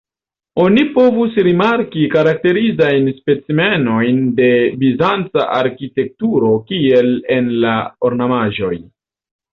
Oni povus rimarki karakterizajn specimenojn de bizanca arkitekturo, kiel en la ornamaĵoj.